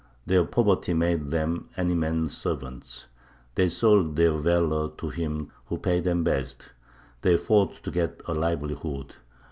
Their poverty made them any man's servants; they sold their valour to him who paid them best; they fought to get a livelihood.